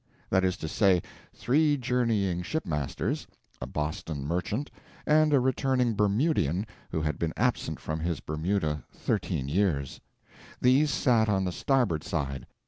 That is to say, three journeying ship masters, a Boston merchant, and a returning Bermudian who had been absent from his Bermuda thirteen years; these sat on the starboard side.